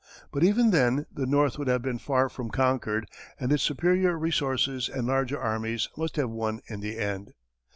But, even then, the North would have been far from conquered, and its superior resources and larger armies must have won in the end.